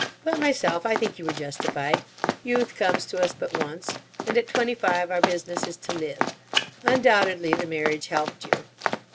But, myself, I think you were justified. Youth comes to us but once. And at twenty five our business is to live. Undoubtedly the marriage helped you.